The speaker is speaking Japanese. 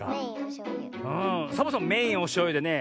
んサボさんメインはおしょうゆでね